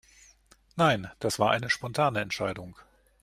Nein, das war eine spontane Entscheidung.